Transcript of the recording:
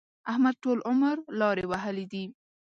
احمد ټول عمر لارې وهلې دي.